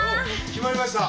決まりました。